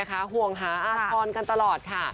ห่วงหาอาทรกันตลอดค่ะ